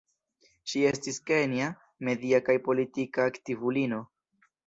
Ŝi estis kenja media kaj politika aktivulino.